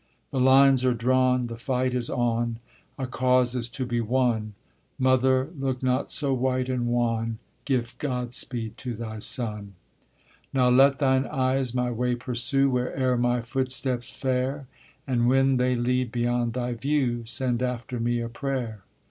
The lines are drawn! The fight is on! A cause is to be won! Mother, look not so white and wan; Give Godspeed to thy son. Now let thine eyes my way pursue Where'er my footsteps fare; And when they lead beyond thy view, Send after me a prayer.